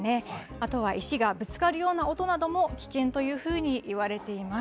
あとは石がぶつかるような音なども危険というふうにいわれています。